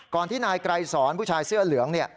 ก่อนที่นายไกรสอนผู้ชายเสื้อเหลือง